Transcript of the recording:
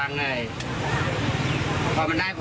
ขอแรกตังค์ยังไงคะ